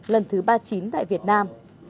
lần thứ ba mươi chín tại việt nam